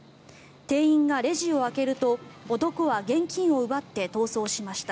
店員がレジを開けると男は現金を奪って逃走しました。